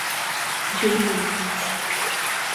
İçeri girmem lazım.